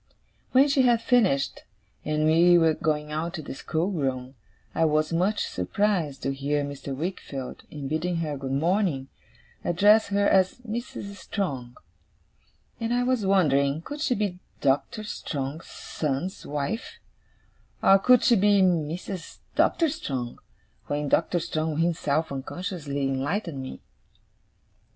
When she had finished, and we were going out to the schoolroom, I was much surprised to hear Mr. Wickfield, in bidding her good morning, address her as 'Mrs. Strong'; and I was wondering could she be Doctor Strong's son's wife, or could she be Mrs. Doctor Strong, when Doctor Strong himself unconsciously enlightened me.